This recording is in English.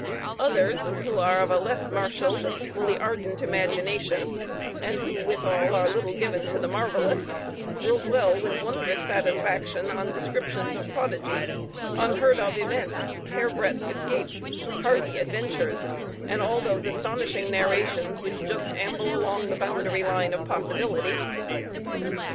Others, who are of a less martial, but equally ardent imagination, and who, withal, are little given to the marvelous, will dwell with wondrous satisfaction on descriptions of prodigies, unheard of events, hair breadth escapes, hardy adventures, and all those astonishing narrations which just amble along the boundary line of possibility.